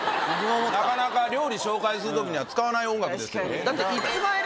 なかなか料理紹介する時には使わない音楽ですよ。